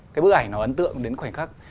cái bức ảnh nó ấn tượng đến khoảnh khắc